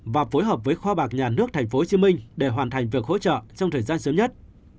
và phối hợp với kho bạc nhà nước tp hcm để hoàn thành việc hỗ trợ trong thời gian sớm nhất